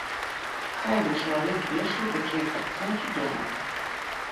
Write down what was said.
Хай бы чалавек вешаў такія карцінкі дома.